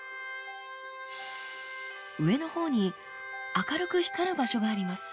上のほうに明るく光る場所があります。